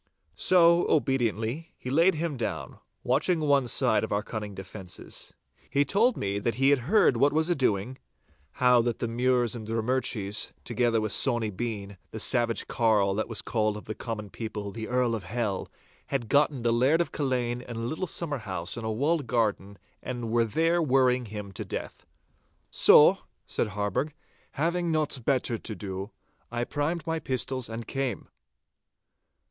So, obediently he laid him down, watching one side of our cunning defences. He told me that he had heard what was a doing—how that the Mures and Drummurchies, together with Sawny Bean, the savage carl that was called of the common people 'The Earl of Hell,' had gotten the Laird of Culzean in a little summer house in a walled garden and were there worrying him to death. 'So,' said Harburgh, 'having nought better to do, I primed my pistols and came.